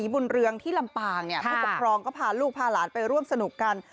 บุญเรืองที่ลำปางเนี่ยผู้ปกครองก็พาลูกพาหลานไปร่วมสนุกกัน